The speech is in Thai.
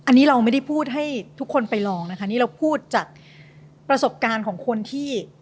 อันนี้เราไม่ได้พูดให้ทุกคนไปลองนะคะนี่เราพูดจากประสบการณ์ของคนที่